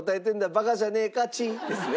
「バカじゃねえかチッ」ですね。